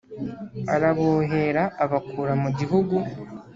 arabōhēra abakura mu gihugu